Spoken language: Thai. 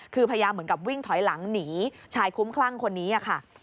คือพยายามเหมือนกับวิ่งถอยหลังหนีชายคุ้มคลั่งคนนี้ค่ะ